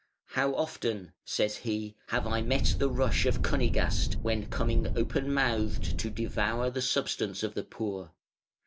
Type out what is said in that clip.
"How often" says he, "have I met the rush of Cunigast, when coming open mouthed to devour the substance of the poor!